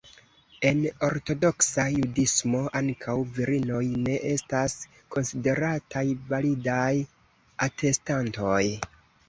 En Ortodoksa Judismo, ankaŭ virinoj ne estas konsiderataj validaj atestantoj.